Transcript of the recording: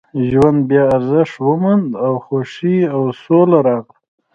ژوند بیا ارزښت وموند او خوښۍ او سوله راغله